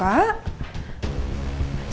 saya yang ke kamar rawatnya papa dulu ya